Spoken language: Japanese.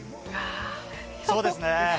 そうですね。